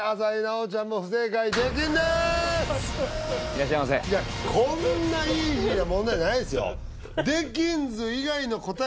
いやこんなイージーな問題ないですよ